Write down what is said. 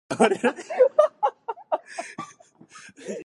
All tracks written by Syd Barrett.